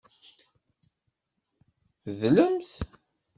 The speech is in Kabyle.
Tedlemt.